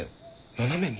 斜めに？